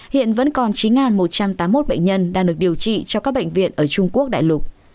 hiện vẫn còn chín một trăm tám mươi một bệnh nhân đang được điều trị cho các bệnh viện ở trung quốc đại lục